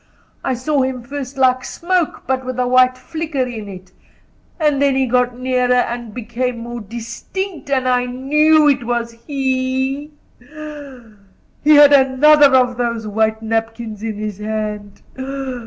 I saw him first like smoke, but with a white flicker in it; and then he got nearer and became more distinct, and I knew it was he; and he had another of those white napkins in his hand.